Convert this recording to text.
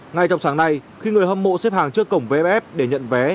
ngay trong sáng nay khi người hâm mộ xếp hàng trước cổng vmf để nhận vé